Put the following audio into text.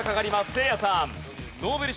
せいやさん。